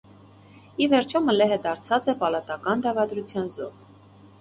Ի վերջոյ Մլեհը դարձած է պալատական դաւադրութեան զոհ։